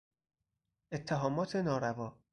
اتهامات ناروا